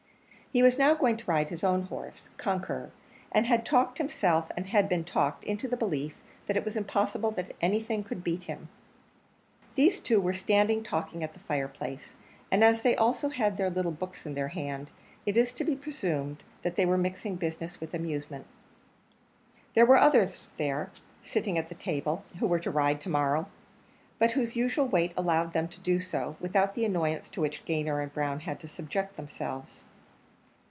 He was now going to ride his own horse, Conqueror, and had talked himself, and had been talked, into the belief that it was impossible that anything could beat him. These two were standing talking at the fireplace, and as they also had their little books in their hands, it is to be presumed that they were mixing business with amusement. There were others there, sitting at the table, who were to ride to morrow, but whose usual weight allowed them to do so, without the annoyance to which Gayner and Brown had to subject themselves.